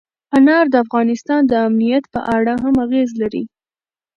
انار د افغانستان د امنیت په اړه هم اغېز لري.